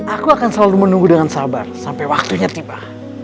aku akan selalu menunggu dengan sabar sampai waktunya tiba